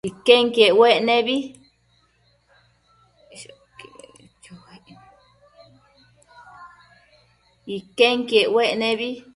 Iquenquiec uec nebi